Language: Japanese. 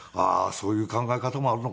そういう考え方もあるのかとか。